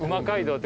って。